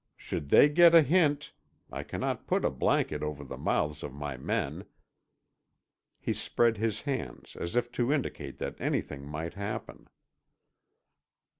Should they get a hint—I cannot put a blanket over the mouths of my men——" he spread his hands as if to indicate that anything might happen.